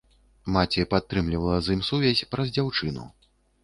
Маці падтрымлівала з ім сувязь праз дзяўчыну.